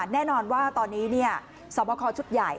แน่นอนว่าตอนนี้เนี่ยสร้างประคอชุดใหญ่